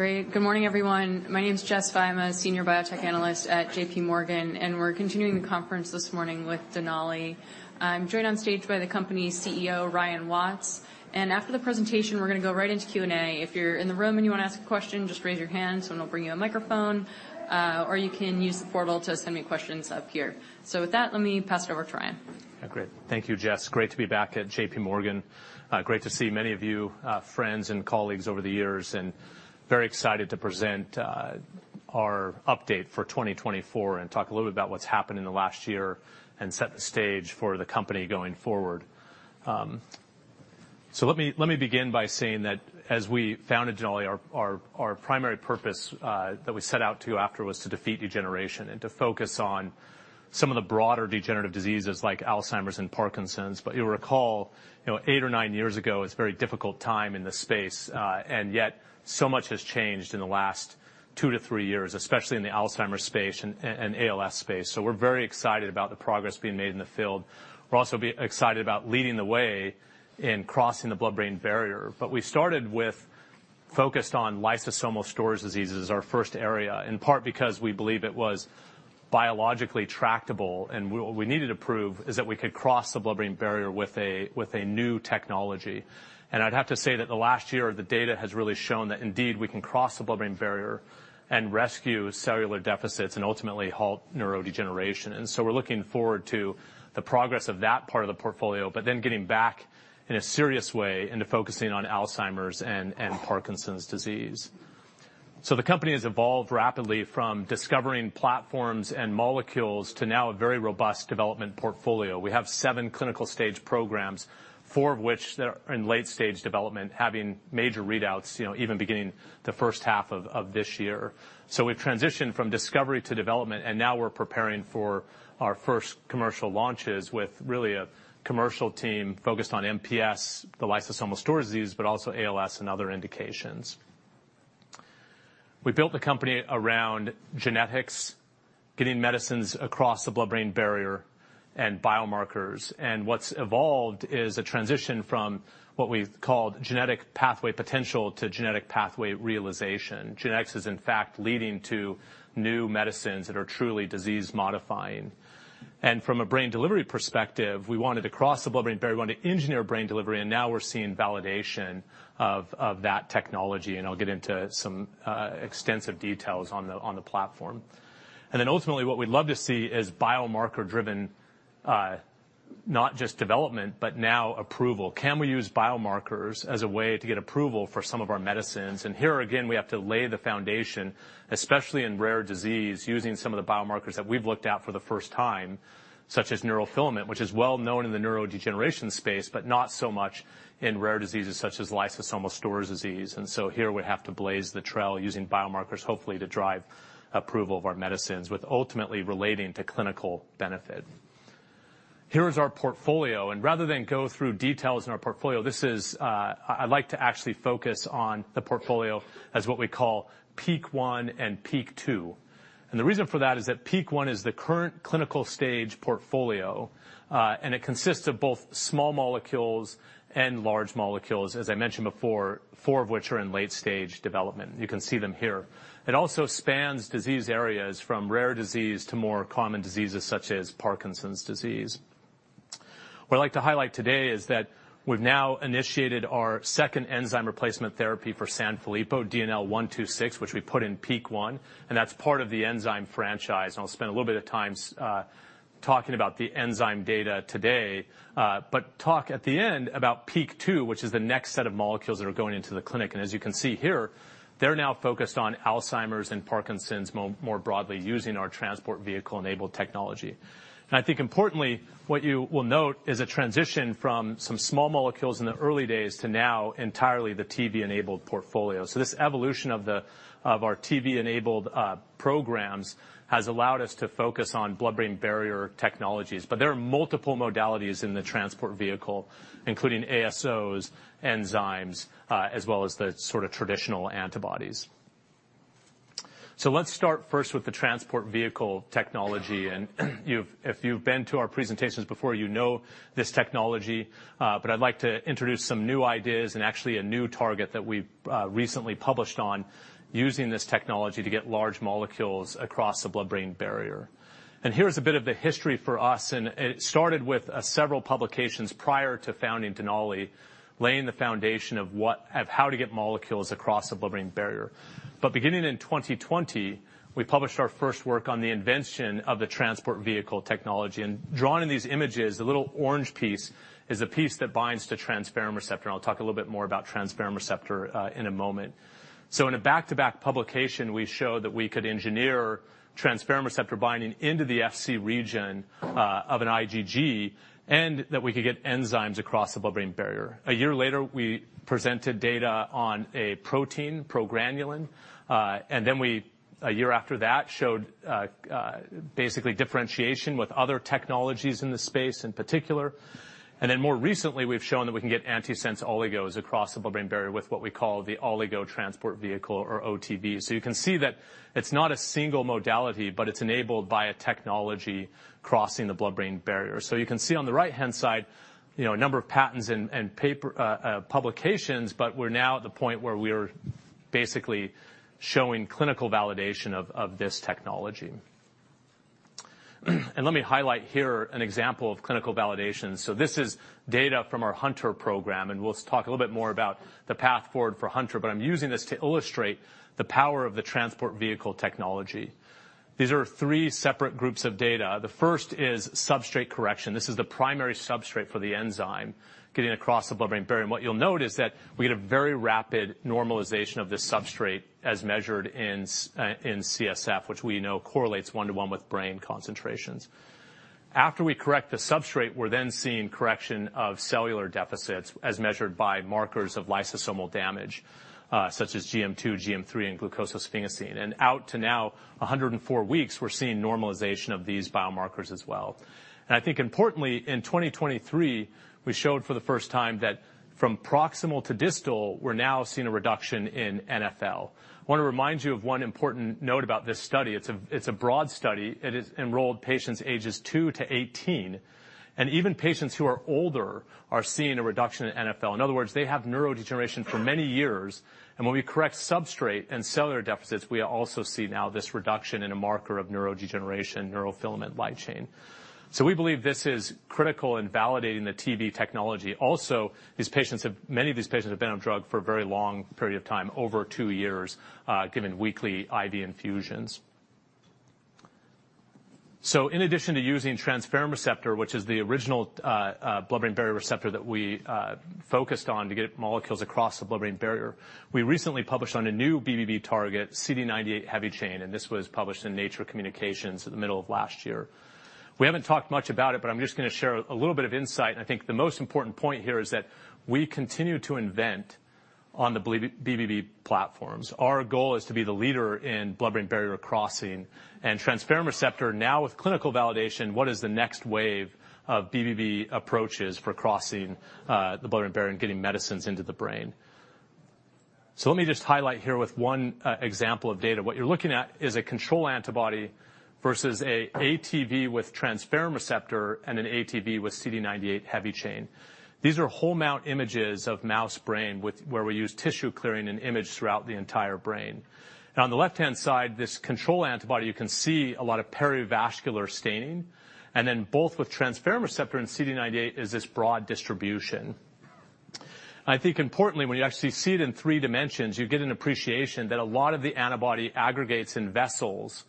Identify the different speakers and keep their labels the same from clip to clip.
Speaker 1: Great. Good morning, everyone. My name is Jess Fye, Senior Biotech Analyst at J.P. Morgan, and we're continuing the conference this morning with Denali. I'm joined on stage by the company's CEO, Ryan Watts, and after the presentation, we're going to go right into Q&A. If you're in the room and you want to ask a question, just raise your hand, someone will bring you a microphone, or you can use the portal to send me questions up here. So with that, let me pass it over to Ryan.
Speaker 2: Great. Thank you, Jess. Great to be back at J.P. Morgan. Great to see many of you, friends and colleagues over the years, and very excited to present our update for 2024 and talk a little bit about what's happened in the last year and set the stage for the company going forward. So let me begin by saying that as we founded Denali, our primary purpose that we set out to after was to defeat degeneration and to focus on some of the broader degenerative diseases like Alzheimer's and Parkinson's. But you'll recall, you know, 8 or 9 years ago, it was a very difficult time in this space, and yet so much has changed in the last 2-3 years, especially in the Alzheimer's space and ALS space. So we're very excited about the progress being made in the field. We're also excited about leading the way in crossing the blood-brain barrier. But we started with focused on lysosomal storage diseases, our first area, in part because we believe it was biologically tractable, and what we needed to prove is that we could cross the blood-brain barrier with a new technology. And I'd have to say that the last year, the data has really shown that indeed we can cross the blood-brain barrier and rescue cellular deficits and ultimately halt neurodegeneration. And so we're looking forward to the progress of that part of the portfolio, but then getting back in a serious way into focusing on Alzheimer's and, and Parkinson's disease. So the company has evolved rapidly from discovering platforms and molecules to now a very robust development portfolio. We have seven clinical stage programs, four of which they're in late stage development, having major readouts, you know, even beginning the first half of this year. So we've transitioned from discovery to development, and now we're preparing for our first commercial launches with really a commercial team focused on MPS, the lysosomal storage disease, but also ALS and other indications. We built the company around genetics, getting medicines across the blood-brain barrier and biomarkers. And what's evolved is a transition from what we've called genetic pathway potential to genetic pathway realization. Genetics is, in fact, leading to new medicines that are truly disease-modifying. And from a brain delivery perspective, we wanted to cross the blood-brain barrier, we want to engineer brain delivery, and now we're seeing validation of that technology, and I'll get into some extensive details on the platform. Then ultimately, what we'd love to see is biomarker-driven, not just development, but now approval. Can we use biomarkers as a way to get approval for some of our medicines? And here again, we have to lay the foundation, especially in rare disease, using some of the biomarkers that we've looked at for the first time, such as neurofilament, which is well known in the neurodegeneration space, but not so much in rare diseases such as lysosomal storage disease. And so here we have to blaze the trail using biomarkers, hopefully to drive approval of our medicines with ultimately relating to clinical benefit. Here is our portfolio, and rather than go through details in our portfolio, this is, I'd like to actually focus on the portfolio as what we call Peak One and Peak Two. The reason for that is that Peak One is the current clinical stage portfolio, and it consists of both small molecules and large molecules, as I mentioned before, four of which are in late-stage development. You can see them here. It also spans disease areas from rare disease to more common diseases such as Parkinson's disease. What I'd like to highlight today is that we've now initiated our second enzyme replacement therapy for Sanfilippo, DNL126, which we put in Peak One, and that's part of the enzyme franchise. I'll spend a little bit of time talking about the enzyme data today, but talk at the end about Peak Two, which is the next set of molecules that are going into the clinic. And as you can see here, they're now focused on Alzheimer's and Parkinson's more broadly, using our transport vehicle-enabled technology. I think importantly, what you will note is a transition from some small molecules in the early days to now entirely the TV-enabled portfolio. This evolution of our TV-enabled programs has allowed us to focus on blood-brain barrier technologies. But there are multiple modalities in the transport vehicle, including ASOs, enzymes, as well as the sort of traditional antibodies. Let's start first with the transport vehicle technology, and if you've been to our presentations before, you know this technology, but I'd like to introduce some new ideas and actually a new target that we've recently published on using this technology to get large molecules across the blood-brain barrier. Here's a bit of the history for us, and it started with several publications prior to founding Denali, laying the foundation of what of how to get molecules across the blood-brain barrier. But beginning in 2020, we published our first work on the invention of the transport vehicle technology, and drawn in these images, the little orange piece is a piece that binds to transferrin receptor. I'll talk a little bit more about transferrin receptor in a moment. So in a back-to-back publication, we showed that we could engineer transferrin receptor binding into the Fc region of an IgG, and that we could get enzymes across the blood-brain barrier. A year later, we presented data on a protein, progranulin, and then we, a year after that, showed basically differentiation with other technologies in the space in particular. Then more recently, we've shown that we can get antisense oligos across the blood-brain barrier with what we call the oligo transport vehicle or OTV. You can see that it's not a single modality, but it's enabled by a technology crossing the blood-brain barrier. You can see on the right-hand side, you know, a number of patents and paper publications, but we're now at the point where we are basically showing clinical validation of this technology.... Let me highlight here an example of clinical validation. This is data from our Hunter program, and we'll talk a little bit more about the path forward for Hunter, but I'm using this to illustrate the power of the transport vehicle technology. These are three separate groups of data. The first is substrate correction. This is the primary substrate for the enzyme, getting across the blood-brain barrier. What you'll note is that we get a very rapid normalization of this substrate as measured in CSF, which we know correlates one-to-one with brain concentrations. After we correct the substrate, we're then seeing correction of cellular deficits as measured by markers of lysosomal damage, such as GM2, GM3, and glucosylsphingosine. Out to now 104 weeks, we're seeing normalization of these biomarkers as well. I think importantly, in 2023, we showed for the first time that from proximal to distal, we're now seeing a reduction in NfL. I wanna remind you of one important note about this study. It's a broad study. It is enrolled patients ages 2 to 18, and even patients who are older are seeing a reduction in NfL. In other words, they have neurodegeneration for many years, and when we correct substrate and cellular deficits, we also see now this reduction in a marker of neurodegeneration, neurofilament light chain. So we believe this is critical in validating the TV technology. Also, many of these patients have been on drug for a very long period of time, over two years, given weekly IV infusions. So in addition to using transferrin receptor, which is the original, blood-brain barrier receptor that we focused on to get molecules across the blood-brain barrier, we recently published on a new BBB target, CD98 heavy chain, and this was published in Nature Communications in the middle of last year. We haven't talked much about it, but I'm just gonna share a little bit of insight. I think the most important point here is that we continue to invent on the BBB platforms. Our goal is to be the leader in blood-brain barrier crossing and transferrin receptor. Now, with clinical validation, what is the next wave of BBB approaches for crossing the blood-brain barrier and getting medicines into the brain? So let me just highlight here with one example of data. What you're looking at is a control antibody versus an ATV with transferrin receptor and an ATV with CD98 heavy chain. These are whole mount images of mouse brain with where we use tissue clearing and image throughout the entire brain. On the left-hand side, this control antibody, you can see a lot of perivascular staining, and then both with transferrin receptor and CD98, is this broad distribution. I think importantly, when you actually see it in three dimensions, you get an appreciation that a lot of the antibody aggregates in vessels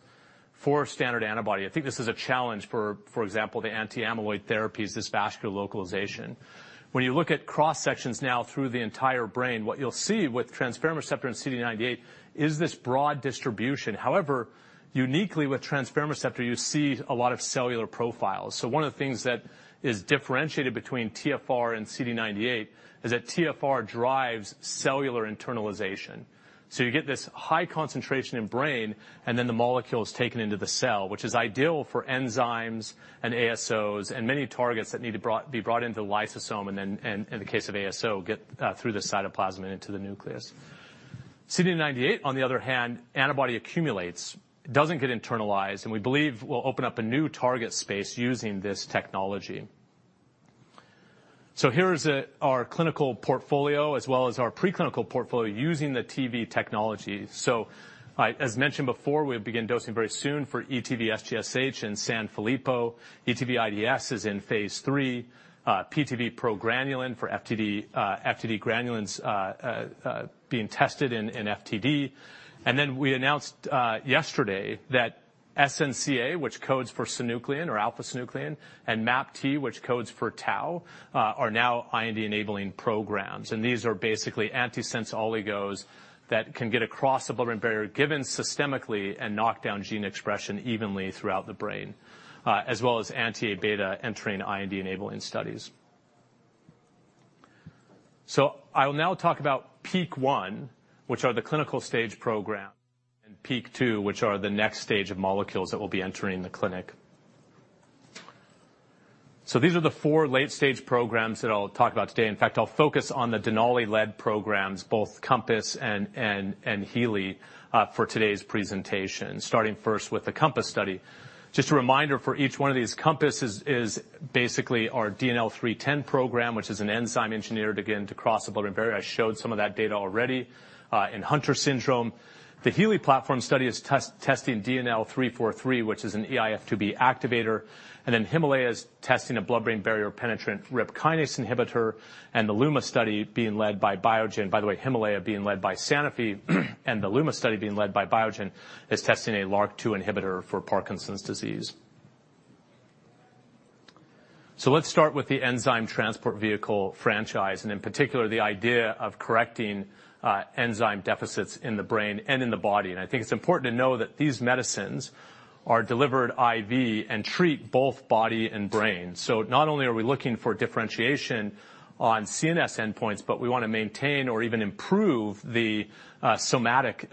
Speaker 2: for standard antibody. I think this is a challenge for, for example, the anti-amyloid therapies, this vascular localization. When you look at cross-sections now through the entire brain, what you'll see with transferrin receptor and CD98 is this broad distribution. However, uniquely with transferrin receptor, you see a lot of cellular profiles. So one of the things that is differentiated between TfR and CD98 is that TfR drives cellular internalization. So you get this high concentration in brain, and then the molecule is taken into the cell, which is ideal for enzymes and ASOs and many targets that need to brought, be brought into the lysosome, and then, and, in the case of ASO, get through the cytoplasm and into the nucleus. CD98, on the other hand, antibody accumulates, doesn't get internalized, and we believe will open up a new target space using this technology. So here is our clinical portfolio, as well as our preclinical portfolio using the TV technology. So, as mentioned before, we'll begin dosing very soon for ETV SGSH and Sanfilippo. ETV IDS is in phase III, PTV progranulin for FTD, FTD-GRN being tested in FTD. And then we announced yesterday that SNCA, which codes for synuclein or alpha-synuclein, and MAPT, which codes for tau, are now IND-enabling programs. And these are basically antisense oligos that can get across the blood-brain barrier, given systemically and knock down gene expression evenly throughout the brain, as well as anti-Abeta entering IND-enabling studies. So I'll now talk about Peak 1, which are the clinical stage program, and Peak 2, which are the next stage of molecules that will be entering the clinic. So these are the four late-stage programs that I'll talk about today. In fact, I'll focus on the Denali-led programs, both COMPASS and HEALEY for today's presentation, starting first with the COMPASS study. Just a reminder, for each one of these, COMPASS is basically our DNL310 program, which is an enzyme engineered, again, to cross the blood-brain barrier. I showed some of that data already in Hunter syndrome. The HEALEY platform study is testing DNL343, which is an eIF2B activator, and then HIMALAYA is testing a blood-brain barrier-penetrant RIP kinase inhibitor, and the LUMA study being led by Biogen. By the way, HIMALAYA being led by Sanofi, and the LUMA study being led by Biogen, is testing a LRRK2 inhibitor for Parkinson's disease. So let's start with the enzyme transport vehicle franchise, and in particular, the idea of correcting enzyme deficits in the brain and in the body. And I think it's important to know that these medicines are delivered IV and treat both body and brain. So not only are we looking for differentiation on CNS endpoints, but we wanna maintain or even improve the somatic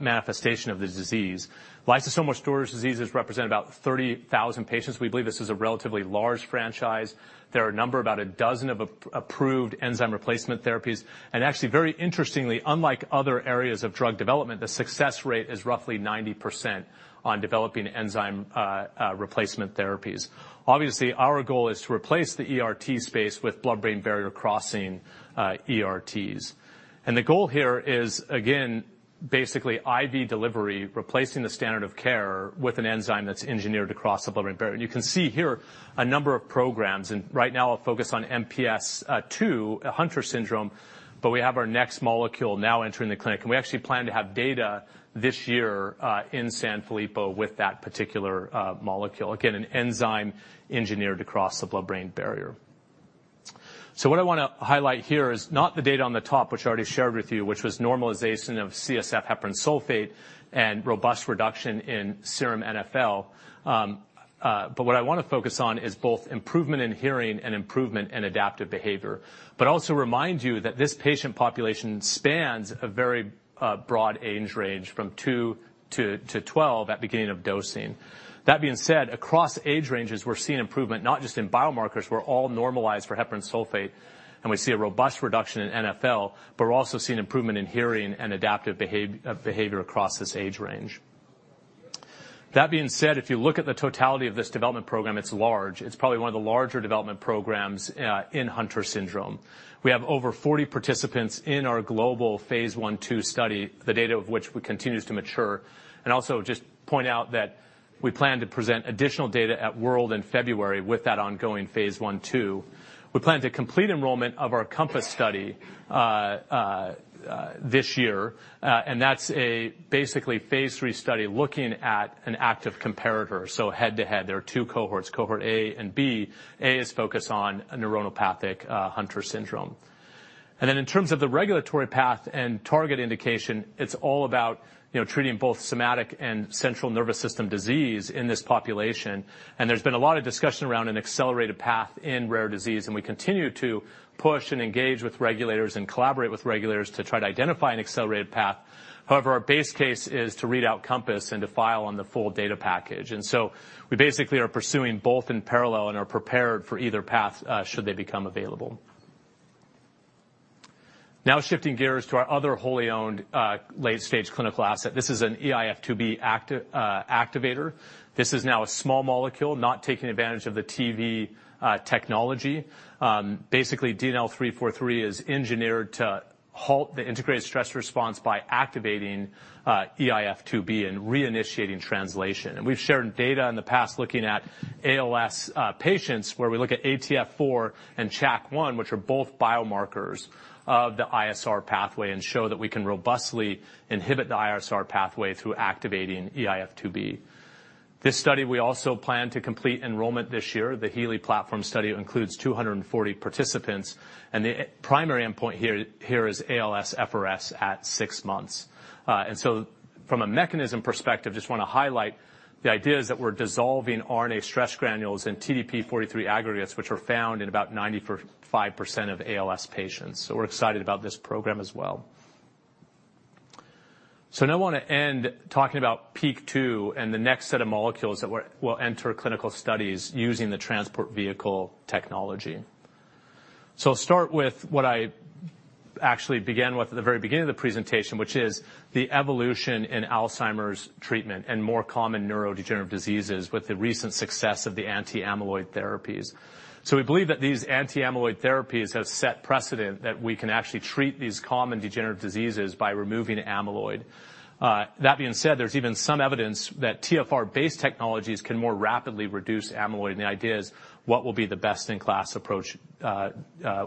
Speaker 2: manifestation of the disease. Lysosomal storage diseases represent about 30,000 patients. We believe this is a relatively large franchise. There are a number, about a dozen of approved enzyme replacement therapies. And actually, very interestingly, unlike other areas of drug development, the success rate is roughly 90% on developing enzyme replacement therapies. Obviously, our goal is to replace the ERT space with blood-brain barrier crossing ERTs. The goal here is, again, basically IV delivery, replacing the standard of care with an enzyme that's engineered across the blood-brain barrier. You can see here a number of programs, and right now I'll focus on MPS II, Hunter syndrome, but we have our next molecule now entering the clinic, and we actually plan to have data this year in Sanfilippo with that particular molecule. Again, an enzyme engineered across the blood-brain barrier. So what I want to highlight here is not the data on the top, which I already shared with you, which was normalization of CSF heparan sulfate and robust reduction in serum NfL. But what I want to focus on is both improvement in hearing and improvement in adaptive behavior. But also remind you that this patient population spans a very broad age range from 2 to 12 at beginning of dosing. That being said, across age ranges, we're seeing improvement, not just in biomarkers, we're all normalized for heparan sulfate, and we see a robust reduction in NfL, but we're also seeing improvement in hearing and adaptive behavior across this age range. That being said, if you look at the totality of this development program, it's large. It's probably one of the larger development programs in Hunter syndrome. We have over 40 participants in our global phase I/II study, the data of which continues to mature. And also just point out that we plan to present additional data at WORLDSymposium in February with that ongoing phase I/II. We plan to complete enrollment of our COMPASS study this year, and that's basically a phase III study looking at an active comparator, so head-to-head. There are two cohorts, cohort A and B. A is focused on a neuronopathic Hunter syndrome. And then in terms of the regulatory path and target indication, it's all about, you know, treating both somatic and central nervous system disease in this population. And there's been a lot of discussion around an accelerated path in rare disease, and we continue to push and engage with regulators and collaborate with regulators to try to identify an accelerated path. However, our base case is to read out COMPASS and to file on the full data package. And so we basically are pursuing both in parallel and are prepared for either path, should they become available. Now, shifting gears to our other wholly owned, late-stage clinical asset. This is an eIF2B activator. This is now a small molecule, not taking advantage of the TV technology. Basically, DNL343 is engineered to halt the integrated stress response by activating eIF2B and reinitiating translation. And we've shared data in the past looking at ALS patients, where we look at ATF4 and CHAC1, which are both biomarkers of the ISR pathway, and show that we can robustly inhibit the ISR pathway through activating eIF2B. This study, we also plan to complete enrollment this year. The HEALEY Platform Study includes 240 participants, and the primary endpoint here is ALSFRS at six months. And so from a mechanism perspective, just want to highlight the idea is that we're dissolving RNA stress granules in TDP-43 aggregates, which are found in about 95% of ALS patients. So we're excited about this program as well. So now I want to end talking about Peak2 and the next set of molecules that will, will enter clinical studies using the transport vehicle technology. So I'll start with what I actually began with at the very beginning of the presentation, which is the evolution in Alzheimer's treatment and more common neurodegenerative diseases with the recent success of the anti-amyloid therapies. So we believe that these anti-amyloid therapies have set precedent that we can actually treat these common degenerative diseases by removing amyloid. That being said, there's even some evidence that TfR-based technologies can more rapidly reduce amyloid, and the idea is what will be the best-in-class approach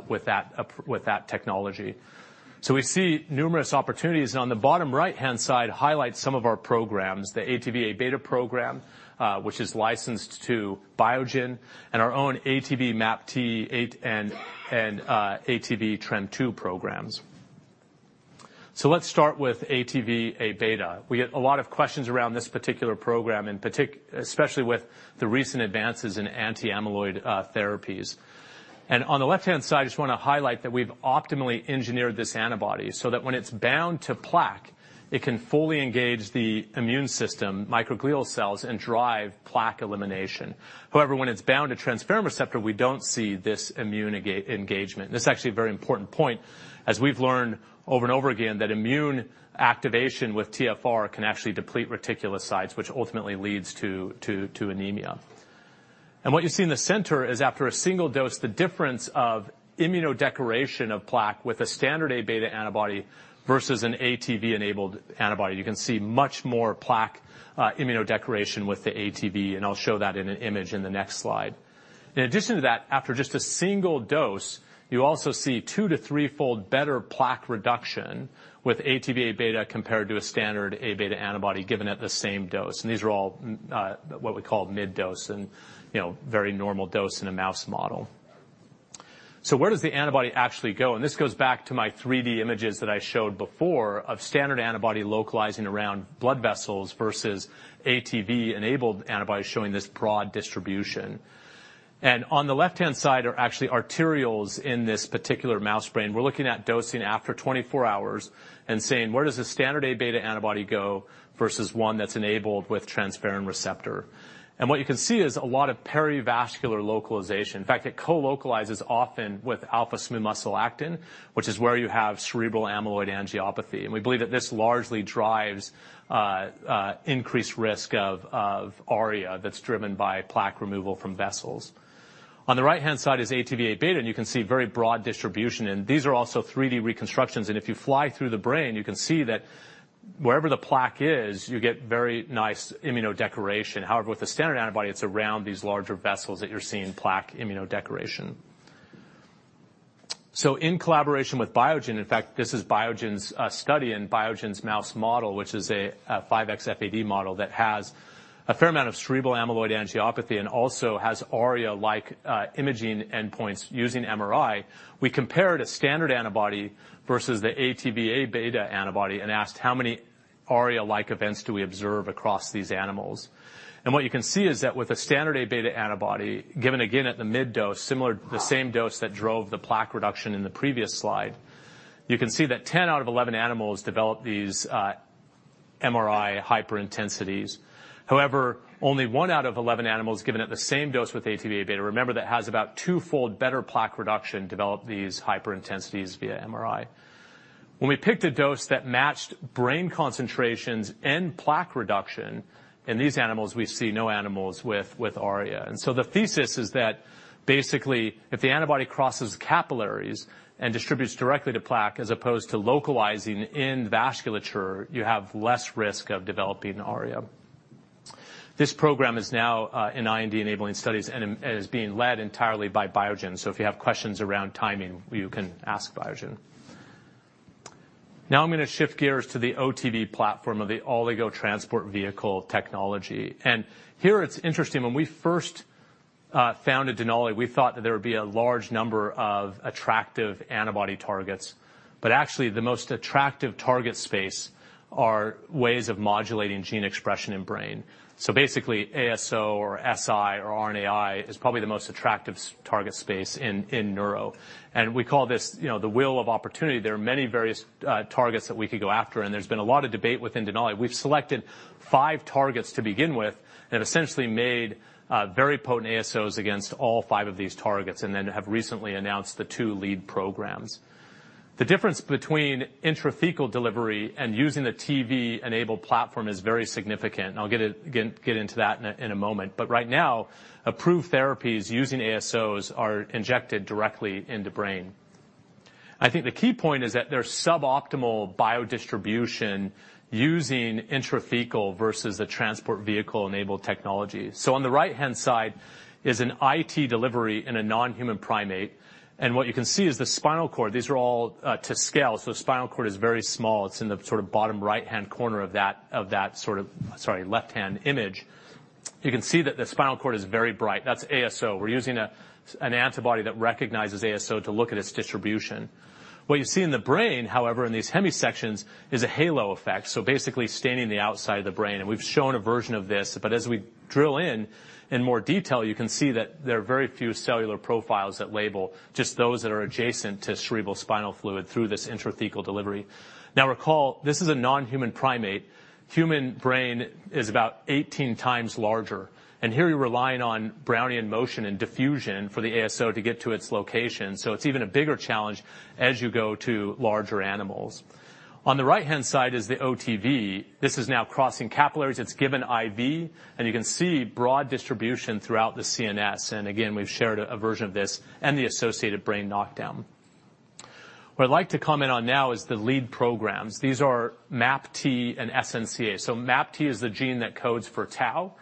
Speaker 2: with that technology. So we see numerous opportunities, and on the bottom right-hand side, highlight some of our programs, the ATV:Abeta program, which is licensed to Biogen, and our own ATV MAPT and ATV TREM2 programs. So let's start with ATV:Abeta. We get a lot of questions around this particular program, especially with the recent advances in anti-amyloid therapies. And on the left-hand side, I just want to highlight that we've optimally engineered this antibody so that when it's bound to plaque, it can fully engage the immune system, microglial cells, and drive plaque elimination. However, when it's bound to transferrin receptor, we don't see this immune engagement. This is actually a very important point, as we've learned over and over again, that immune activation with TfR can actually deplete reticulocytes, which ultimately leads to anemia. What you see in the center is, after a single dose, the difference of immunodecoration of plaque with a standard Aβ antibody versus an ATV-enabled antibody. You can see much more plaque immunodecoration with the ATV, and I'll show that in an image in the next slide. In addition to that, after just a single dose, you also see 2- to 3-fold better plaque reduction with ATV:Abeta compared to a standard Abeta antibody given at the same dose. And these are all, what we call mid-dose and, you know, very normal dose in a mouse model. So where does the antibody actually go? This goes back to my 3D images that I showed before of standard antibody localizing around blood vessels versus ATV-enabled antibodies showing this broad distribution. On the left-hand side are actually arteries in this particular mouse brain. We're looking at dosing after 24 hours and saying, where does the standard Abeta antibody go versus one that's enabled with transferrin receptor? And what you can see is a lot of perivascular localization. In fact, it co-localizes often with alpha smooth muscle actin, which is where you have cerebral amyloid angiopathy. And we believe that this largely drives increased risk of ARIA that's driven by plaque removal from vessels. On the right-hand side is ATV:Abeta, and you can see very broad distribution. And these are also 3D reconstructions, and if you fly through the brain, you can see that wherever the plaque is, you get very nice immunodecoration. However, with the standard antibody, it's around these larger vessels that you're seeing plaque immunodecoration. So in collaboration with Biogen, in fact, this is Biogen's study in Biogen's mouse model, which is a 5xFAD model that has a fair amount of cerebral amyloid angiopathy and also has ARIA-like imaging endpoints using MRI. We compared a standard antibody versus the ATV:Abeta antibody and asked, how many ARIA-like events do we observe across these animals? And what you can see is that with a standard Abeta antibody, given again at the mid dose, similar, the same dose that drove the plaque reduction in the previous slide, you can see that ten out of eleven animals developed these MRI hyperintensities. However, only 1 out of 11 animals, given at the same dose with ATV:Abeta, remember, that has about twofold better plaque reduction, developed these hyperintensities via MRI. When we picked a dose that matched brain concentrations and plaque reduction in these animals, we see no animals with ARIA. So the thesis is that basically, if the antibody crosses capillaries and distributes directly to plaque, as opposed to localizing in vasculature, you have less risk of developing ARIA. This program is now in IND-enabling studies and is being led entirely by Biogen. So if you have questions around timing, you can ask Biogen. Now I'm gonna shift gears to the OTV platform of the oligo transport vehicle technology. And here, it's interesting, when we first founded Denali, we thought that there would be a large number of attractive antibody targets, but actually, the most attractive target space are ways of modulating gene expression in brain. So basically, ASO or SI or RNAi is probably the most attractive target space in neuro. And we call this, you know, the wheel of opportunity. There are many various targets that we could go after, and there's been a lot of debate within Denali. We've selected five targets to begin with and essentially made very potent ASOs against all five of these targets, and then have recently announced the two lead programs. The difference between intrathecal delivery and using the TV-enabled platform is very significant, and I'll get into that in a moment. But right now, approved therapies using ASOs are injected directly into brain. I think the key point is that they're suboptimal biodistribution using intrathecal versus a transport vehicle-enabled technology. So on the right-hand side is an IT delivery in a non-human primate, and what you can see is the spinal cord. These are all to scale, so spinal cord is very small. It's in the sort of bottom right-hand corner of that left-hand image. You can see that the spinal cord is very bright. That's ASO. We're using an antibody that recognizes ASO to look at its distribution. What you see in the brain, however, in these hemisections, is a halo effect, so basically staining the outside of the brain. We've shown a version of this, but as we drill in, in more detail, you can see that there are very few cellular profiles that label just those that are adjacent to cerebrospinal fluid through this intrathecal delivery. Now, recall, this is a non-human primate. Human brain is about 18 times larger, and here you're relying on Brownian motion and diffusion for the ASO to get to its location, so it's even a bigger challenge as you go to larger animals. On the right-hand side is the OTV. This is now crossing capillaries. It's given IV, and you can see broad distribution throughout the CNS. And again, we've shared a version of this and the associated brain knockdown. What I'd like to comment on now is the lead programs. These are MAPT and SNCA. So MAPT is the gene that codes for tau,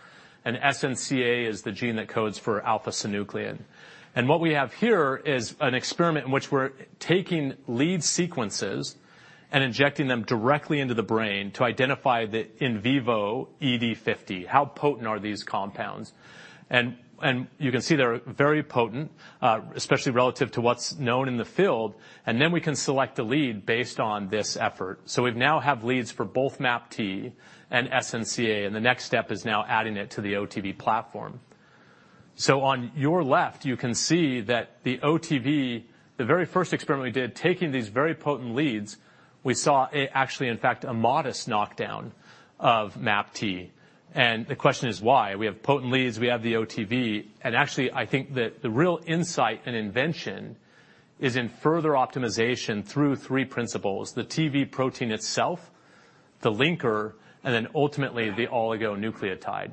Speaker 2: and SNCA is the gene that codes for alpha-synuclein. And what we have here is an experiment in which we're taking lead sequences and injecting them directly into the brain to identify the in vivo ED50. How potent are these compounds? And, and you can see they're very potent, especially relative to what's known in the field, and then we can select a lead based on this effort. So we've now have leads for both MAPT and SNCA, and the next step is now adding it to the OTV platform. So on your left, you can see that the OTV, the very first experiment we did, taking these very potent leads, we saw a actually, in fact, a modest knockdown of MAPT. And the question is why? We have potent leads, we have the OTV, and actually, I think that the real insight and invention is in further optimization through three principles: the TV protein itself, the linker, and then ultimately, the oligonucleotide.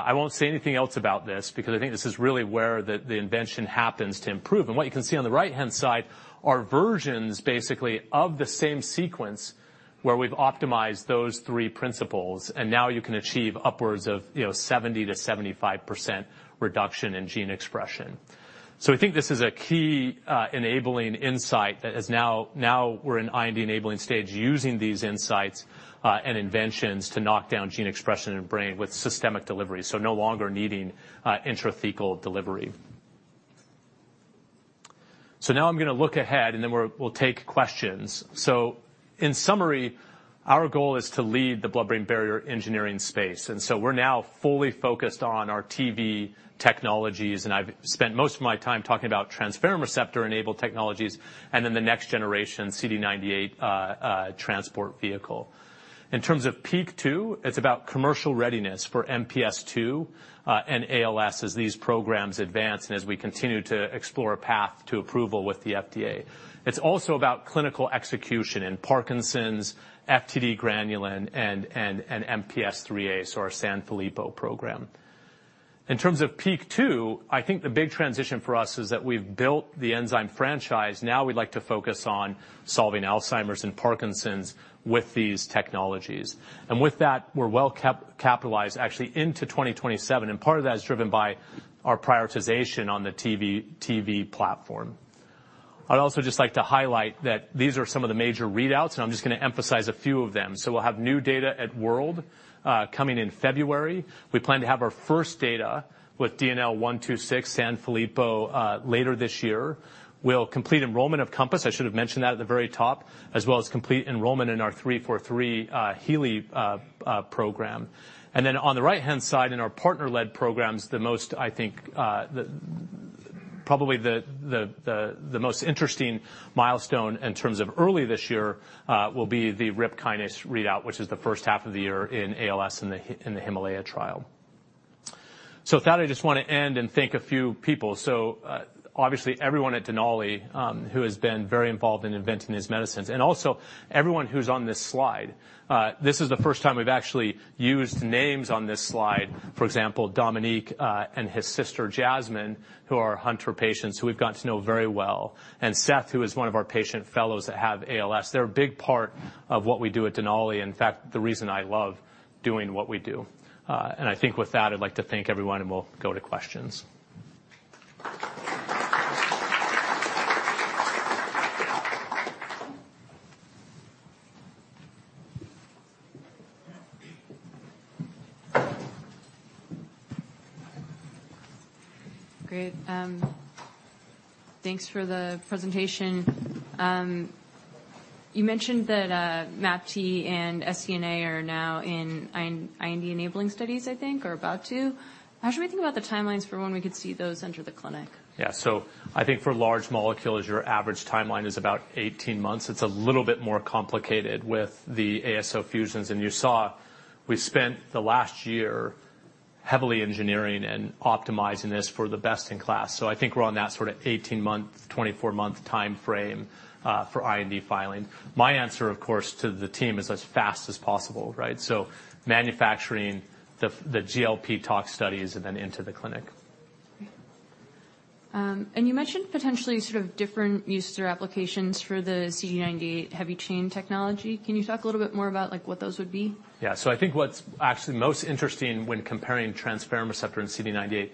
Speaker 2: I won't say anything else about this because I think this is really where the, the invention happens to improve. And what you can see on the right-hand side are versions, basically, of the same sequence, where we've optimized those three principles, and now you can achieve upwards of, you know, 70%-75% reduction in gene expression. So I think this is a key, enabling insight that is now, now we're in IND-enabling stage, using these insights, and inventions to knock down gene expression in the brain with systemic delivery, so no longer needing, intrathecal delivery. So now I'm gonna look ahead, and then we're, we'll take questions. So in summary, our goal is to lead the blood-brain barrier engineering space, and so we're now fully focused on our TV technologies, and I've spent most of my time talking about transferrin receptor-enabled technologies, and then the next generation, CD98, transport vehicle. In terms of Peak Two, it's about commercial readiness for MPS II, and ALS as these programs advance and as we continue to explore a path to approval with the FDA. It's also about clinical execution in Parkinson's, FTD Granulin, and, and, and MPS IIIA, so our Sanfilippo program. In terms of Peak Two, I think the big transition for us is that we've built the enzyme franchise. Now we'd like to focus on solving Alzheimer's and Parkinson's with these technologies. And with that, we're well capitalized actually into 2027, and part of that is driven by our prioritization on the TV, TV platform. I'd also just like to highlight that these are some of the major readouts, and I'm just gonna emphasize a few of them. So we'll have new data at WORLDSymposium coming in February. We plan to have our first data with DNL126, Sanfilippo later this year. We'll complete enrollment of COMPASS. I should have mentioned that at the very top, as well as complete enrollment in our DNL343 HEALEY program. And then on the right-hand side, in our partner-led programs, the most I think probably the most interesting milestone in terms of early this year will be the RIPK1 readout, which is the first half of the year in ALS, in the HIMALAYA trial. So with that, I just want to end and thank a few people. So, obviously, everyone at Denali, who has been very involved in inventing these medicines, and also everyone who's on this slide. This is the first time we've actually used names on this slide. For example, Dominique, and his sister, Jasmine, who are Hunter patients, who we've got to know very well, and Seth, who is one of our patient fellows that have ALS. They're a big part of what we do at Denali, and in fact, the reason I love doing what we do. And I think with that, I'd like to thank everyone, and we'll go to questions.
Speaker 1: Great. Thanks for the presentation. You mentioned that MAPT and SNCA are now in IND-enabling studies, I think, or about to. How should we think about the timelines for when we could see those enter the clinic?
Speaker 2: Yeah. So I think for large molecules, your average timeline is about 18 months. It's a little bit more complicated with the ASO fusions, and you saw we spent the last year heavily engineering and optimizing this for the best-in-class. So I think we're on that sort of 18-month, 24-month time frame for IND filing. My answer, of course, to the team is as fast as possible, right? So manufacturing the GLP tox studies and then into the clinic.
Speaker 1: Great. And you mentioned potentially sort of different uses or applications for the CD98 heavy chain technology. Can you talk a little bit more about, like, what those would be?
Speaker 2: Yeah. So I think what's actually most interesting when comparing transferrin receptor and CD98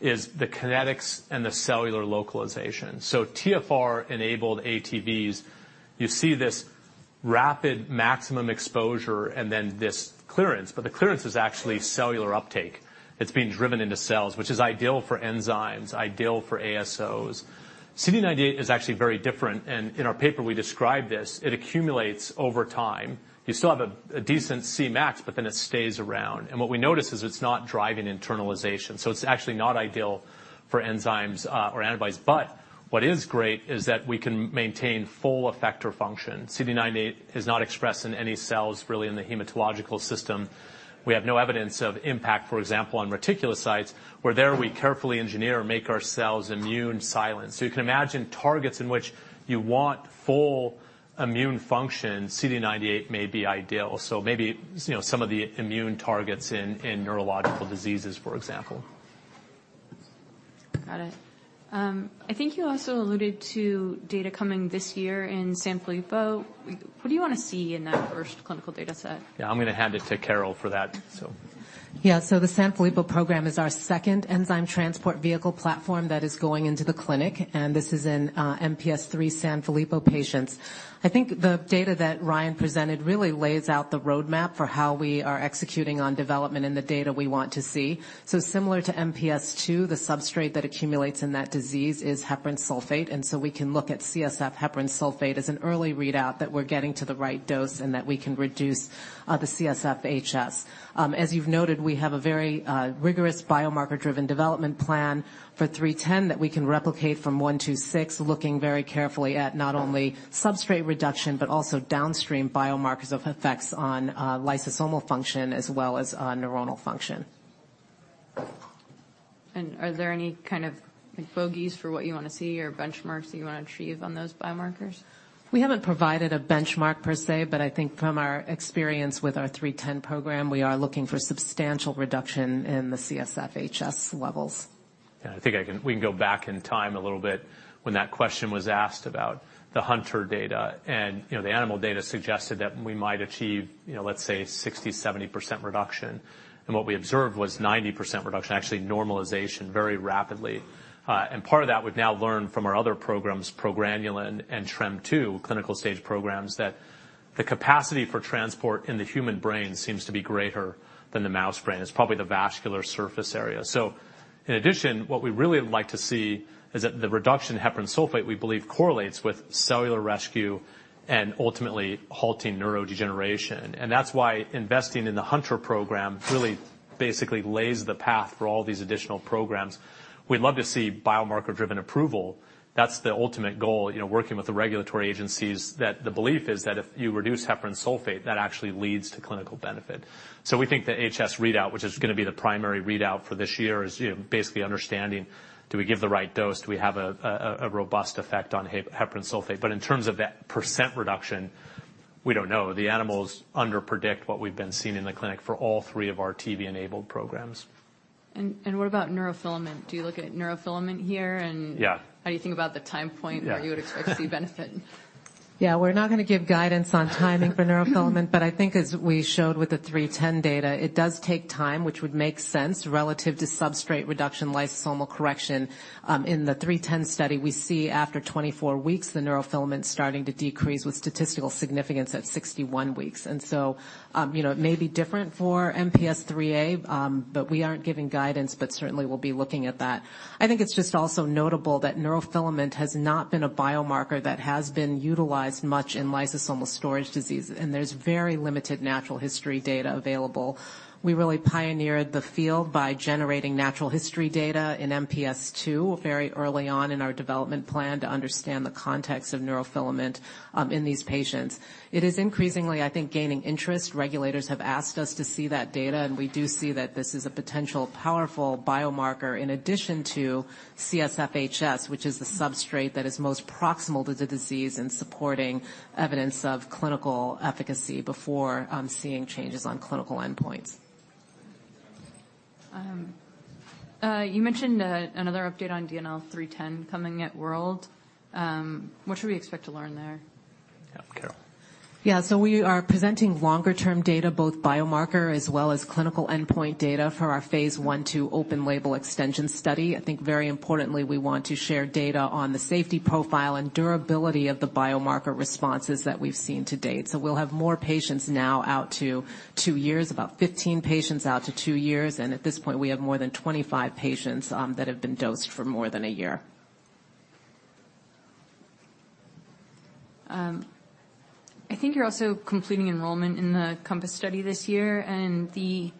Speaker 2: is the kinetics and the cellular localization. So TfR-enabled ATVs, you see this rapid maximum exposure and then this clearance, but the clearance is actually cellular uptake. It's being driven into cells, which is ideal for enzymes, ideal for ASOs. CD98 is actually very different, and in our paper, we described this. It accumulates over time. You still have a, a decent Cmax, but then it stays around. And what we notice is it's not driving internalization, so it's actually not ideal for enzymes, or antibodies. But what is great is that we can maintain full effector function. CD98 is not expressed in any cells, really, in the hematological system. We have no evidence of impact, for example, on reticulocytes, where there we carefully engineer and make our cells immune silent. So you can imagine targets in which you want full immune function, CD98 may be ideal. So maybe, you know, some of the immune targets in neurological diseases, for example.
Speaker 1: Got it. I think you also alluded to data coming this year in Sanfilippo. What do you wanna see in that first clinical data set?
Speaker 2: Yeah, I'm gonna hand it to Carole for that, so...
Speaker 3: Yeah, so the Sanfilippo program is our second enzyme transport vehicle platform that is going into the clinic, and this is in MPS III Sanfilippo patients. I think the data that Ryan presented really lays out the roadmap for how we are executing on development and the data we want to see. So similar to MPS II, the substrate that accumulates in that disease is heparan sulfate, and so we can look at CSF heparan sulfate as an early readout that we're getting to the right dose and that we can reduce the CSF HS. As you've noted, we have a very rigorous biomarker-driven development plan for 310 that we can replicate from 126, looking very carefully at not only substrate reduction, but also downstream biomarkers of effects on lysosomal function as well as on neuronal function.
Speaker 1: Are there any kind of bogeys for what you want to see or benchmarks that you want to achieve on those biomarkers?
Speaker 3: We haven't provided a benchmark per se, but I think from our experience with our 310 program, we are looking for substantial reduction in the CSF HS levels.
Speaker 2: Yeah, I think I can, we can go back in time a little bit when that question was asked about the Hunter data. And, you know, the animal data suggested that we might achieve, you know, let's say, 60%-70% reduction, and what we observed was 90% reduction, actually normalization very rapidly. And part of that we've now learned from our other programs, progranulin and TREM2, clinical stage programs, that the capacity for transport in the human brain seems to be greater than the mouse brain. It's probably the vascular surface area. So in addition, what we really like to see is that the reduction in heparan sulfate, we believe, correlates with cellular rescue and ultimately halting neurodegeneration. And that's why investing in the Hunter program really basically lays the path for all these additional programs. We'd love to see biomarker-driven approval. That's the ultimate goal, you know, working with the regulatory agencies, that the belief is that if you reduce heparan sulfate, that actually leads to clinical benefit. So we think the HS readout, which is gonna be the primary readout for this year, is, you know, basically understanding, do we give the right dose? Do we have a robust effect on heparan sulfate? But in terms of that percent reduction, we don't know. The animals underpredict what we've been seeing in the clinic for all three of our TV-enabled programs.
Speaker 1: What about neurofilament? Do you look at neurofilament here? And-
Speaker 2: Yeah.
Speaker 1: How do you think about the time point?
Speaker 2: Yeah.
Speaker 1: Where you would expect to see benefit?
Speaker 3: Yeah, we're not going to give guidance on timing for neurofilament, but I think as we showed with the DNL310 data, it does take time, which would make sense relative to substrate reduction, lysosomal correction. In the DNL310 study, we see after 24 weeks, the neurofilament starting to decrease with statistical significance at 61 weeks. And so, you know, it may be different for MPS IIIA, but we aren't giving guidance, but certainly we'll be looking at that. I think it's just also notable that neurofilament has not been a biomarker that has been utilized much in lysosomal storage disease, and there's very limited natural history data available. We really pioneered the field by generating natural history data in MPS II very early on in our development plan to understand the context of neurofilament in these patients. It is increasingly, I think, gaining interest. Regulators have asked us to see that data, and we do see that this is a potential powerful biomarker in addition to CSF HS, which is the substrate that is most proximal to the disease and supporting evidence of clinical efficacy before seeing changes on clinical endpoints.
Speaker 1: You mentioned another update on DNL310 coming at World. What should we expect to learn there?
Speaker 2: Yeah, Carole.
Speaker 3: Yeah, so we are presenting longer-term data, both biomarker as well as clinical endpoint data for our phase I/II open label extension study. I think very importantly, we want to share data on the safety profile and durability of the biomarker responses that we've seen to date. So we'll have more patients now out to two years, about 15 patients out to two years, and at this point, we have more than 25 patients that have been dosed for more than a year.
Speaker 1: I think you're also completing enrollment in the COMPASS study this year, and the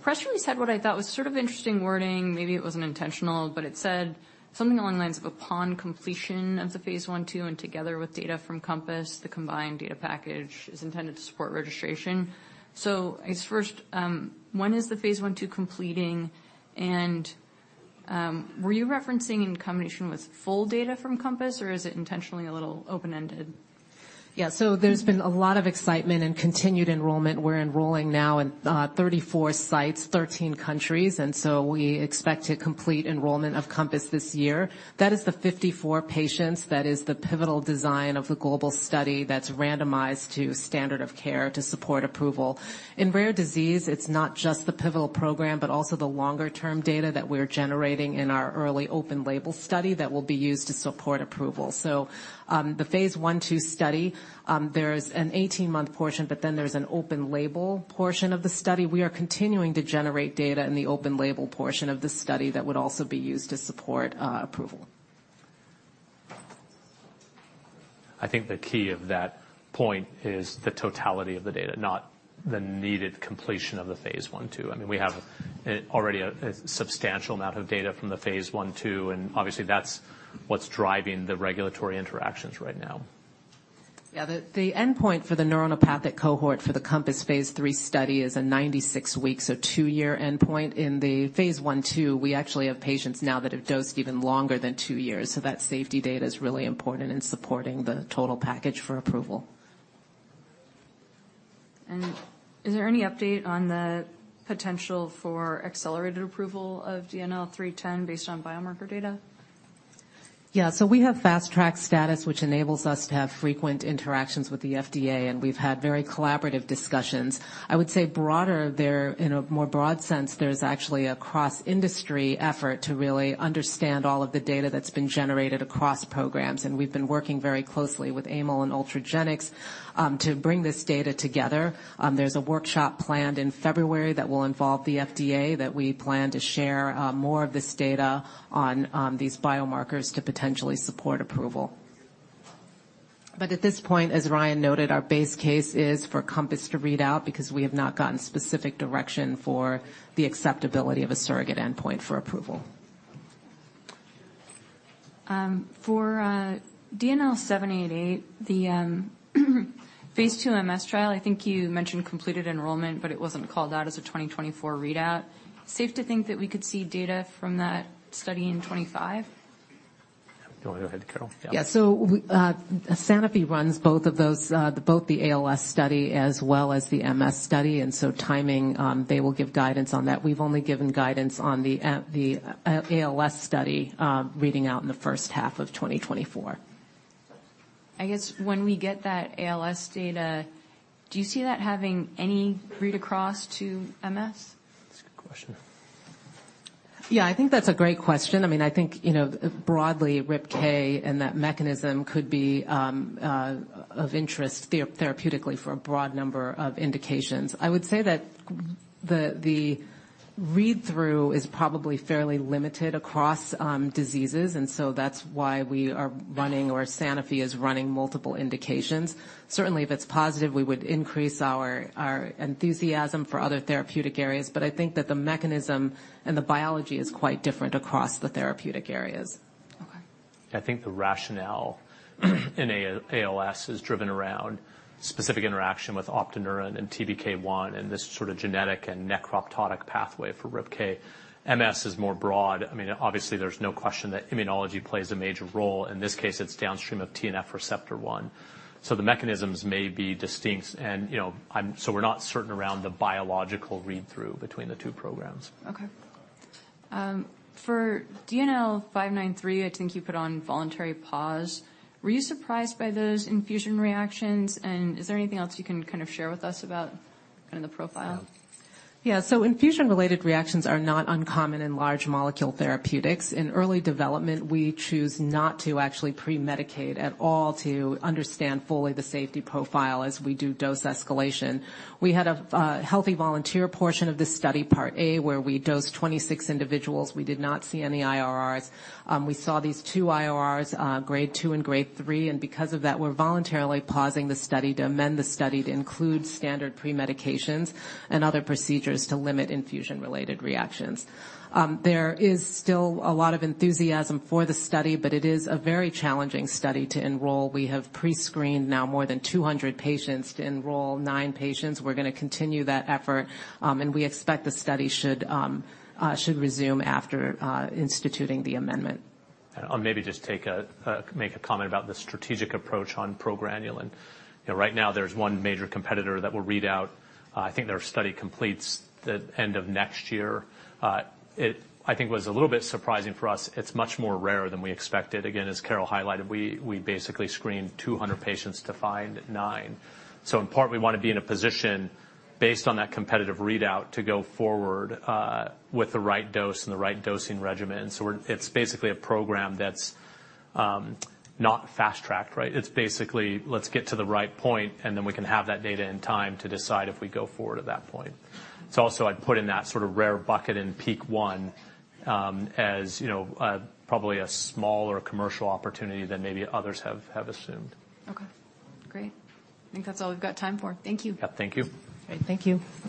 Speaker 1: press release had what I thought was sort of interesting wording. Maybe it wasn't intentional, but it said something along the lines of, "Upon completion of the phase I/II, and together with data from COMPASS, the combined data package is intended to support registration." So I guess first, when is the phase I/II completing? And, were you referencing in combination with full data from COMPASS, or is it intentionally a little open-ended?
Speaker 3: Yeah. So there's been a lot of excitement and continued enrollment. We're enrolling now in 34 sites, 13 countries, and so we expect to complete enrollment of COMPASS this year. That is the 54 patients. That is the pivotal design of the global study that's randomized to standard of care to support approval. In rare disease, it's not just the pivotal program, but also the longer-term data that we're generating in our early open-label study that will be used to support approval. So, the phase I/II study, there's an 18-month portion, but then there's an open-label portion of the study. We are continuing to generate data in the open-label portion of the study that would also be used to support approval.
Speaker 2: I think the key of that point is the totality of the data, not the needed completion of the phase I/II. I mean, we have already a substantial amount of data from the phase I/II, and obviously, that's what's driving the regulatory interactions right now.
Speaker 3: Yeah, the endpoint for the neuronopathic cohort for the COMPASS phase III study is a 96-week, so 2-year endpoint. In the phase I/II, we actually have patients now that have dosed even longer than 2 years, so that safety data is really important in supporting the total package for approval.
Speaker 1: Is there any update on the potential for accelerated approval of DNL310 based on biomarker data?
Speaker 3: Yeah. So we have fast-track status, which enables us to have frequent interactions with the FDA, and we've had very collaborative discussions. I would say broader there. In a more broad sense, there's actually a cross-industry effort to really understand all of the data that's been generated across programs, and we've been working very closely with Amicus and Ultragenyx to bring this data together. There's a workshop planned in February that will involve the FDA, that we plan to share more of this data on, these biomarkers to potentially support approval. But at this point, as Ryan noted, our base case is for COMPASS to read out because we have not gotten specific direction for the acceptability of a surrogate endpoint for approval.
Speaker 1: For DNL788, the phase II MS trial, I think you mentioned completed enrollment, but it wasn't called out as a 2024 readout. Safe to think that we could see data from that study in 2025?
Speaker 2: Go ahead, Carole.
Speaker 3: Yeah. So we, Sanofi runs both of those, both the ALS study as well as the MS study, and so timing, they will give guidance on that. We've only given guidance on the ALS study, reading out in the first half of 2024.
Speaker 1: I guess when we get that ALS data, do you see that having any read-across to MS?
Speaker 2: That's a good question.
Speaker 3: Yeah, I think that's a great question. I mean, I think, you know, broadly, RIPK1 and that mechanism could be of interest therapeutically for a broad number of indications. I would say that the read-through is probably fairly limited across diseases, and so that's why we are running, or Sanofi is running multiple indications. Certainly, if it's positive, we would increase our enthusiasm for other therapeutic areas, but I think that the mechanism and the biology is quite different across the therapeutic areas.
Speaker 1: Okay.
Speaker 2: I think the rationale in ALS is driven around specific interaction with optineurin and TBK1, and this sort of genetic and necroptotic pathway for RIPK1. MS is more broad. I mean, obviously, there's no question that immunology plays a major role. In this case, it's downstream of TNF receptor 1. So the mechanisms may be distinct, and, you know, so we're not certain around the biological read-through between the two programs.
Speaker 1: Okay. For DNL593, I think you put on voluntary pause. Were you surprised by those infusion reactions? And is there anything else you can kind of share with us about kind of the profile?
Speaker 3: Yeah. So infusion-related reactions are not uncommon in large molecule therapeutics. In early development, we choose not to actually pre-medicate at all to understand fully the safety profile as we do dose escalation. We had a healthy volunteer portion of this study, part A, where we dosed 26 individuals. We did not see any IRRs. We saw these 2 IRRs, grade 2 and grade 3, and because of that, we're voluntarily pausing the study to amend the study to include standard pre-medications and other procedures to limit infusion-related reactions. There is still a lot of enthusiasm for the study, but it is a very challenging study to enroll. We have pre-screened now more than 200 patients to enroll 9 patients. We're gonna continue that effort, and we expect the study should resume after instituting the amendment.
Speaker 2: I'll maybe just take a make a comment about the strategic approach on progranulin. You know, right now, there's one major competitor that will read out. I think their study completes the end of next year. It, I think, was a little bit surprising for us. It's much more rarer than we expected. Again, as Carole highlighted, we basically screened 200 patients to find nine. So in part, we want to be in a position based on that competitive readout to go forward with the right dose and the right dosing regimen. So we're. It's basically a program that's not fast-tracked, right? It's basically, let's get to the right point, and then we can have that data in time to decide if we go forward at that point. So also, I'd put in that sort of rare bucket in peak one, as you know, probably a smaller commercial opportunity than maybe others have assumed.
Speaker 1: Okay, great. I think that's all we've got time for. Thank you.
Speaker 2: Yeah, thank you.
Speaker 3: Great. Thank you.